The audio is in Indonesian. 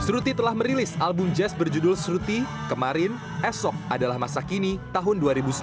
ruti telah merilis album jazz berjudul ruti kemarin esok adalah masa kini tahun dua ribu sembilan belas